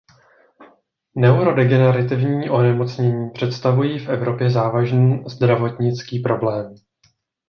Neurodegenerativní onemocnění představují v Evropě závažný zdravotnický problém.